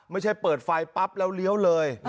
ไม่ใช่เปิดไฟปั๊บแล้วเลี้ยวเลย